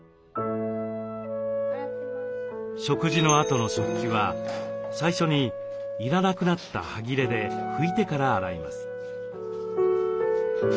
食事のあとの食器は最初に要らなくなったはぎれで拭いてから洗います。